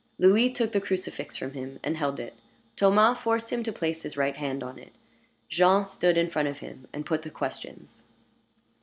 Louis took the crucifix from him, and held it; Thomas forced him to place his right hand on it; Jean stood in front of him and put the questions.